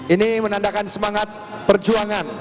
ini menandakan semangat perjuangan